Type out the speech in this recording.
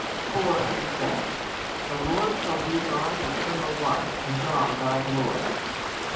For, he says, the Lord shall be thine eternal Light, and God thy glory.